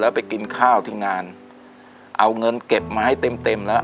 ไปกินข้าวถึงงานเอาเงินเก็บมาให้เต็มเต็มแล้ว